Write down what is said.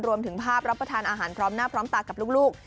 รวมถึงภาพรับประทานอาหารพร้อมหน้าพร้อมตากับลูก